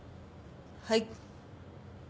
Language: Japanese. はい。